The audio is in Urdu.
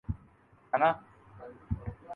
ترغیبی حمایتیافتہ حصص پر نشانہ کیے گئے